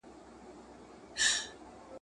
خو کارګه مي پر بازار نه دی لیدلی ..